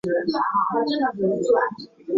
为中联办底下的政治作战单位。